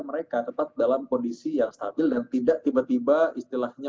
mereka tetap dalam kondisi yang stabil dan tidak tiba tiba istilahnya